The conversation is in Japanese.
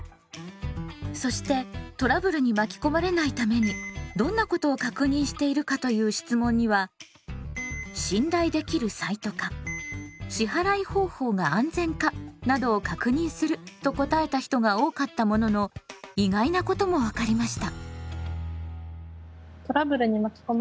そしてトラブルに巻き込まれないためにどんなことを確認しているかという質問には「信頼できるサイトか」「支払い方法が安全か」などを確認すると答えた人が多かったものの意外なことも分かりました。